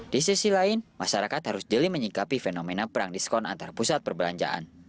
di sisi lain masyarakat harus jeli menyikapi fenomena perang diskon antar pusat perbelanjaan